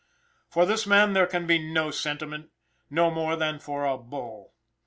For this man there can be no sentiment no more than for a bull.